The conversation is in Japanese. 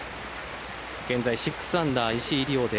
現在、６アンダー石井理緒